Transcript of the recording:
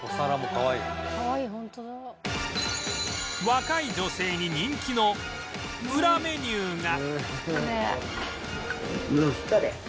若い女性に人気のウラメニューが